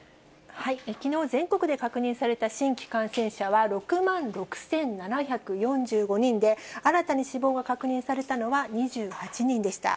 きのう、全国で確認された新規感染者は６万６７４５人で、新たに死亡が確認されたのは２８人でした。